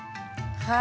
はい。